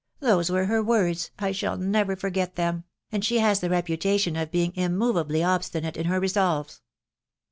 those were her words, I shall never forget them .... and she has the reputation of being immoveably obstinate in her resolves."